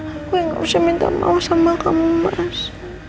aku yang gak usah minta maaf sama kamu mas